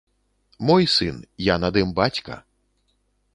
Мой сын, я над ім бацька.